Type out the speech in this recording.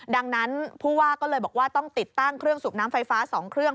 ดังนั้นผู้ว่าก็เลยบอกว่าต้องติดตั้งเครื่องสูบน้ำไฟฟ้า๒เครื่อง